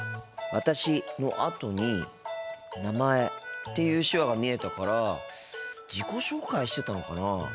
「私」のあとに「名前」っていう手話が見えたから自己紹介してたのかなあ。